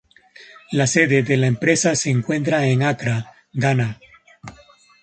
La sede de la empresa se encuentra en Accra, Ghana.